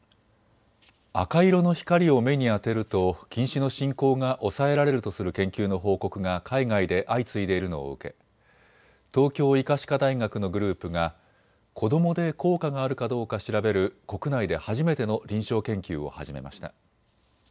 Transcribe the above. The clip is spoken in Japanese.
赤色の光を目に当てると近視の進行が抑えられるとする研究の報告が海外で相次いでいるのを受け、東京医科歯科大学のグループが子どもで効果があるかどうか調べる、国内で初めての臨床研究を始めました。